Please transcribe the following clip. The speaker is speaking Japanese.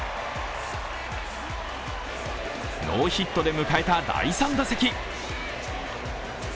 ノーヒットで迎えた第３打席。